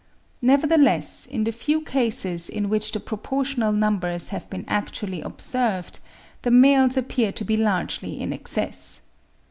Nevertheless, in the few cases in which the proportional numbers have been actually observed, the males appear to be largely in excess.